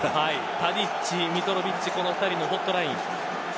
タディッチ、ミトロヴィッチこの２人のホットライン